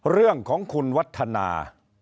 เรื่องของคุณวัฒนา